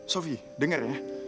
sofi denger ya